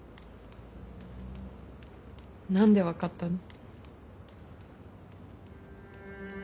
何で分かったの？